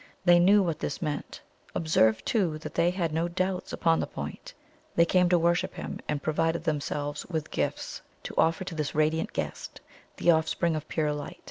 They knew what this meant. Observe, too, that they had no doubts upon the point; they came 'to worship him,' and provided themselves with gifts to offer to this radiant Guest, the offspring of pure Light.